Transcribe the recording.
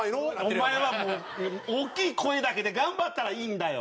お前はもう大きい声だけで頑張ったらいいんだよ。